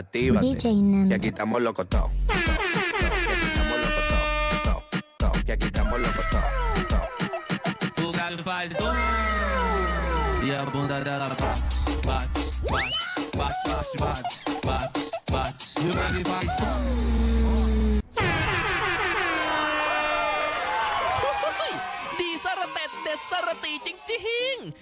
ดีสะระเต็ดเด็ดสะระตรีจริง